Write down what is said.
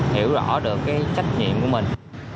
hiểu rõ được cái trách nhiệm của mình